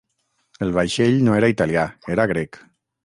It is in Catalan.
El vaixell no era italià, era grec.